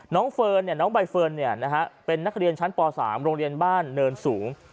น้องใบเฟิร์นเนี่ยเป็นนักเรียนชั้นป๓โรงเรียนบ้านเริ่มสูง